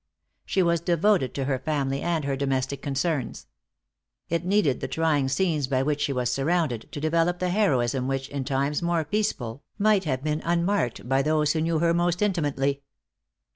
She was devoted to her family and her domestic concerns. It needed the trying scenes by which she was surrounded, to develop the heroism which, in times more peaceful, might have been unmarked by those who knew her most intimately.